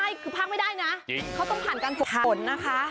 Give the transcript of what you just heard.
ไม่คือภาคไม่ได้นะเขาต้องผ่านการฝนนะคะ